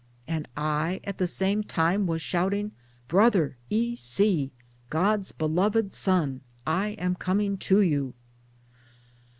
And I at the same time was shouting 'Brother E. C. God's beloved Son, I am earning to you."